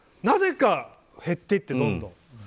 なぜか減っていって、どんどん。